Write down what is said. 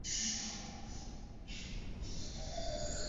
aliongeza Valentine ,Tunashuhudia unyanyasaji kutoka pande zote katika mzozo